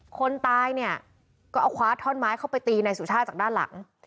คนตายเนี่ยก็เอาคว้าท่อนไม้เข้าไปตีนายสุชาติจากด้านหลัง